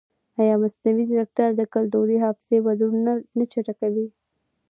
ایا مصنوعي ځیرکتیا د کلتوري حافظې بدلون نه چټکوي؟